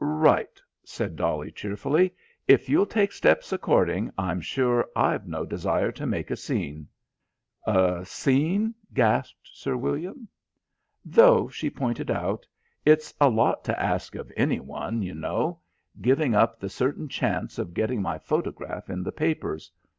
"Right," said Dolly cheerfully. "If you'll take steps according, I'm sure I've no desire to make a scene." "A scene," gasped Sir William. "Though," she pointed out, "it's a lot to ask of any one, you know. Giving up the certain chance of getting my photograph in the papers.